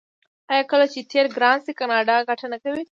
آیا کله چې تیل ګران شي کاناډا ګټه نه کوي؟